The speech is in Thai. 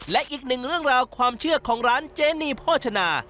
และอีกหนึ่งเรื่องราวความเชื่อของร้านเจนีโภชนา